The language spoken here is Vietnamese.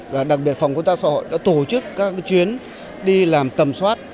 và đặc biệt phòng công tác xã hội đã tổ chức các chuyến đi làm tầm soát